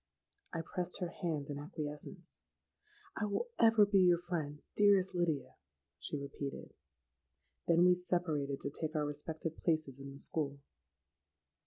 '—I pressed her hand in acquiescence.—'I will ever be your friend, dearest Lydia,' she repeated.—Then we separated to take our respective places in the school.